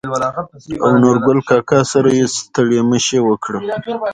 او نورګل کاکا سره يې ستړي مشې وکړه.